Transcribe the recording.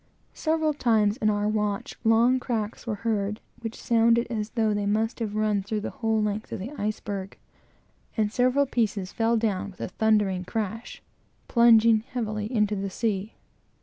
Several times in our watch loud cracks were heard, which sounded as though they must have run through the whole length of the iceberg, and several pieces fell down with a thundering crash, plunging heavily into the sea.